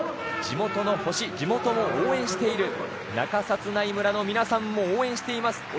地元の星、地元を応援している中札内村の皆さんも応援しています。